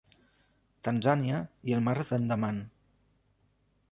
Tanzània i el Mar d'Andaman.